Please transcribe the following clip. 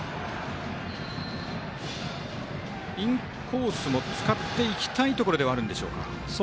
インコースも使っていきたいところではあるんでしょうか。